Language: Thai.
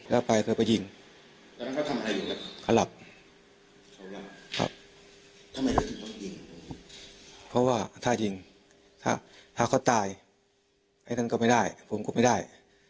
แล้วไปก็ไปยิงเขาหลับเพราะว่าถ้ายิงถ้าเขาตายไอ้นั้นก็ไม่ได้ผมก็ไม่ได้